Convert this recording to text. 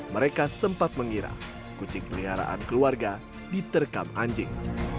mereka sempat mengira kucing peliharaan keluarga diterkam anjing